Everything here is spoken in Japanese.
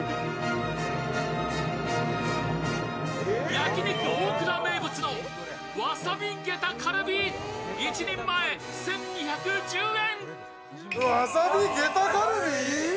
焼肉大倉名物のワサビゲタカルビ１人前１２１０円。